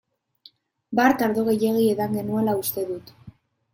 Bart ardo gehiegi edan genuela uste dut.